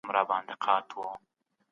د رنځ پېژندنه په حقیقت کې یوه څېړنه ده.